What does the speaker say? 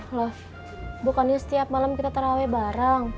loh bukannya setiap malam kita terawih bareng